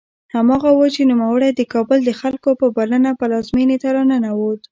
هماغه و چې نوموړی د کابل د خلکو په بلنه پلازمېنې ته راننوت.